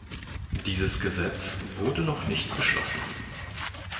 Dieses Gesetz wurde noch nicht beschlossen.